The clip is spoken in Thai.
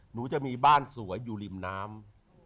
หนูจะมีบ้านสวยอยู่ริมน้ำ